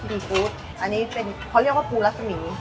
อันนี้เป็นเขาเรียกว่าปูลัสมี